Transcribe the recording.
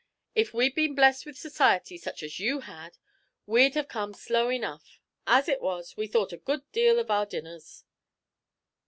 If we'd been blessed with society such as you had, we'd have come slow enough. As it was, we thought a good deal of our dinners."